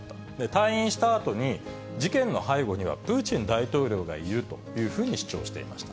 退院したあとに、事件の背後にはプーチン大統領がいるというふうに主張していまし